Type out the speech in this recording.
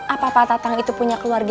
apa pak tatang itu punya keluarga